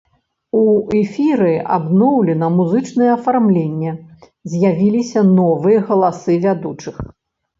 У эфіры абноўлена музычнае афармленне, з'явіліся новыя галасы вядучых.